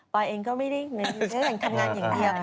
ปอยเองก็ไม่ได้ทำงานอย่างนี้ค่ะ